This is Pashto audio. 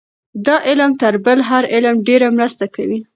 دا علم تر بل هر علم ډېره مرسته کوي.